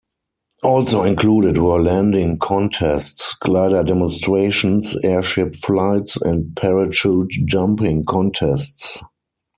Also included were landing contests, glider demonstrations, airship flights, and parachute-jumping contests.